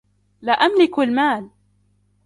لا أملك المال.